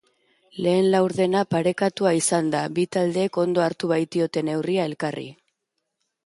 Lehen laurdena parekatua izan da, bi taldeek ondo hartu baitiote neurria elkarri.